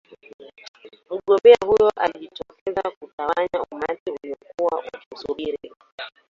Mgombea huyo alijitokeza kutawanya umati uliokuwa ukimsubiri